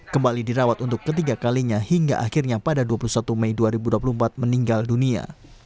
kembali dirawat untuk ketiga kalinya hingga akhirnya pada dua puluh satu mei dua ribu dua puluh empat meninggal dunia